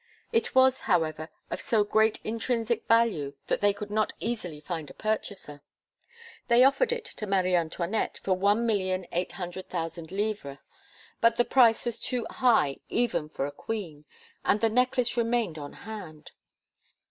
It was, however, of so great intrinsic value that they could not easily find a purchaser. They offered it to Marie Antoinette for one million eight hundred thousand livres; but the price was too high even for a queen, and the necklace remained on hand.